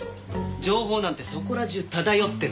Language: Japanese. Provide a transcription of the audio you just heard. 情報なんてそこら中漂ってるんですよ。